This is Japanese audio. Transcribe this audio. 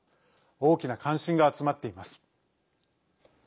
大きな関心が集まっています。